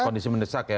kondisi mendesak ya